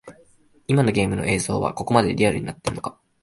今のゲームの映像はここまでリアルになってんのか